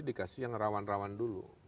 dikasih yang rawan rawan dulu